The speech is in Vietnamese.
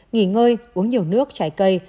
nghỉ ngơi uống nhiều nước trái cây